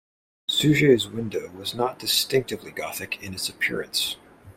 Suger's window was not distinctively Gothic in its appearance.